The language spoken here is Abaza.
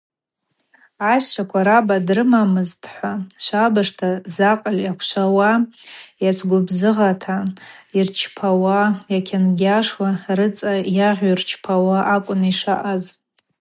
Айщчваква раба дрымамызтӏхӏва швабыжта закъыль аквшвауа, йацгвыбзыгъата, йырчпауала йайкьангьашуа, рыцӏа йагъьу рчпауа акӏвын йшаъаз.